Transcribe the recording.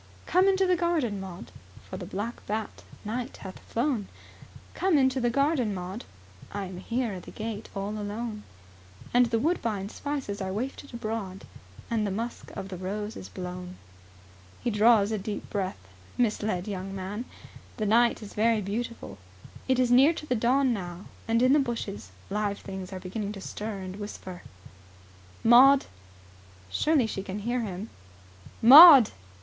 "Come into the garden, Maud, For the black bat, night, hath flown, Come into the garden, Maud, I am here at the gate alone; And the woodbine spices are wafted abroad, And the musk of the rose is blown." He draws a deep breath, misled young man. The night is very beautiful. It is near to the dawn now and in the bushes live things are beginning to stir and whisper. "Maud!" Surely she can hear him? "Maud!"